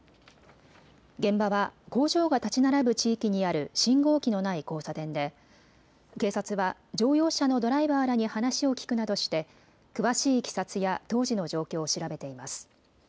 現場は工場が建ち並ぶ地域にある信号機のない交差点で警察は乗用車のドライバーらに話を聞くなどして詳しいいきさつや当時の状況を調べています。